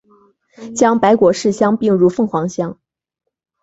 将白果市乡并入凤凰乡。